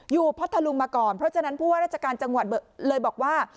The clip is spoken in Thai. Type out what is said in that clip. พัทธลุงมาก่อนเพราะฉะนั้นผู้ว่าราชการจังหวัดเลยบอกว่า